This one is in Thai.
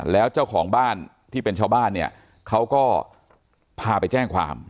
แล้วเจ้าของบ้านที่เป็นชาวบ้านเนี่ยเขาก็พาไปแจ้งความ